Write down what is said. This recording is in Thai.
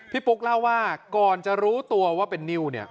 ปุ๊กเล่าว่าก่อนจะรู้ตัวว่าเป็นนิ้วเนี่ย